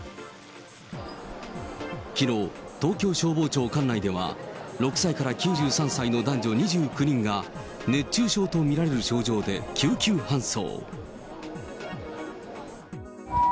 きのう、東京消防庁管内では、６歳から９３歳の男女２９人が、熱中症と見られる症状で救急搬送。